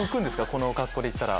この格好で行ったら。